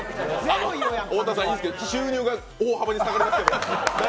太田さん、言うけど収入が大幅に下がりますよ。